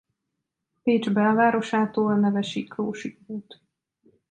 Pécs belvárosától neve Siklósi út.